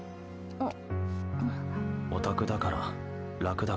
あっ。